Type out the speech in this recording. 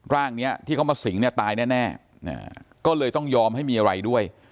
ร่างนี้ที่เขามาสิงเนี่ยตายแน่ก็เลยต้องยอมให้มีอะไรด้วย